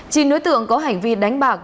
chính nối tượng có hành vi đánh bạc